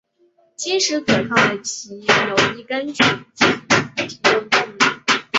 结实可靠的藉由一根卷簧提供动力。